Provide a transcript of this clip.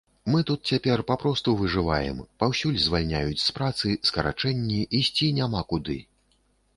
Мы тут цяпер папросту выжываем, паўсюль звальняюць з працы, скарачэнні, ісці няма куды.